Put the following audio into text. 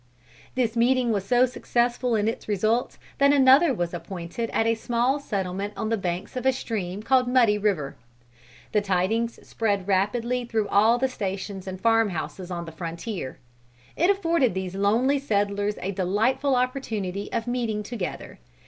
This meeting was so successful in its results that another was appointed at a small settlement on the banks of a stream called Muddy river. The tidings spread rapidly through all the stations and farm houses on the frontier. It afforded these lonely settlers a delightful opportunity of meeting together.